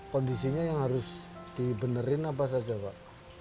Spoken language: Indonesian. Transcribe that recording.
kondisinya yang harus dibenerin apa saja pak